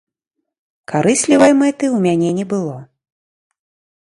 Карыслівай мэты ў мяне не было.